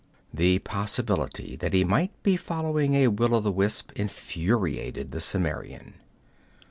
The possibility that he might be following a will o' the wisp infuriated the Cimmerian.